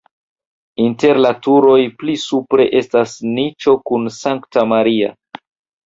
Inter la turoj pli supre estas niĉo kun Sankta Maria.